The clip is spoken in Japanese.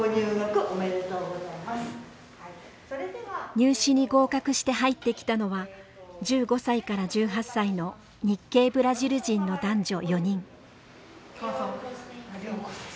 入試に合格して入ってきたのは１５歳から１８歳の日系ブラジル人の男女４人。